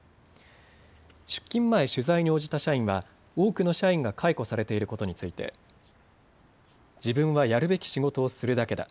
出勤前、取材に応じた社員は多くの社員が解雇されていることについて自分はやるべき仕事をするだけだ。